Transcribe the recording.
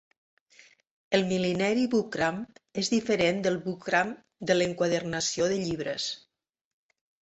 El Millinery buckram és diferent del buckram de l'enquadernació de llibres.